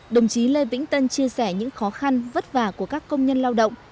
đồng chí lê vĩnh tân chia sẻ những khó khăn vất vả của các công nhân lao động